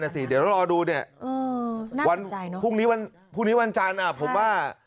นั่นสิเดี๋ยวเรารอดูเนี่ยพรุ่งนี้วันจานผมว่า